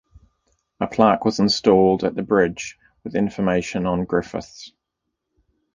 A plaque was installed at the bridge with information on Griffiths.